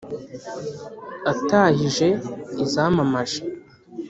Atahije Izamamaje,